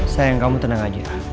sayang kamu tenang aja